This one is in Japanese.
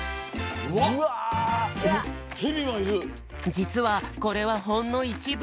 じつはこれはほんのいちぶ。